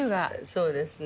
そうですね。